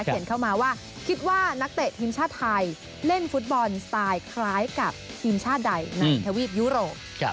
เขียนเข้ามาว่าคิดว่านักเตะทีมชาติไทยเล่นฟุตบอลสไตล์คล้ายกับทีมชาติใดในทวีปยุโรป